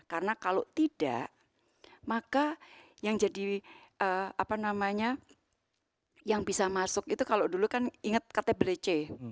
karena kalau tidak maka yang jadi yang bisa masuk itu kalau dulu kan ingat ktbdc